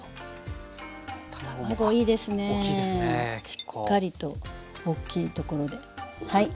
しっかりと大きいところではい。